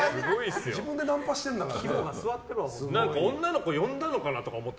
自分でナンパしてるんだから。